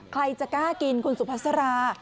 ใครจะกล้ากินคุณสุภาษารา